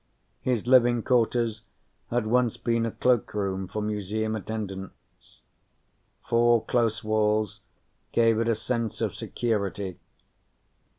His living quarters had once been a cloakroom for Museum attendants. Four close walls gave it a sense of security.